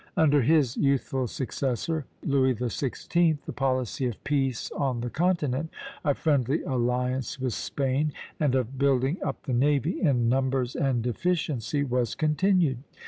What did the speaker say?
Under his youthful successor, Louis XVI., the policy of peace on the continent, of friendly alliance with Spain, and of building up the navy in numbers and efficiency, was continued.